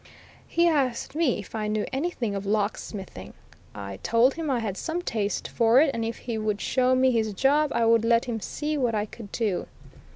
He asked me if I knew anything of locksmithing? I told him I had some taste for it, and if he would show me his job I would let him see what I could do.